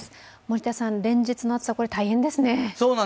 森田さん、連日の暑さ大変ですね。